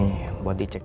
tidak ada kue di lantai